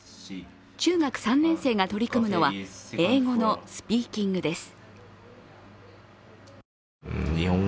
中学３年生が取り組むのは英語のスピーキングです。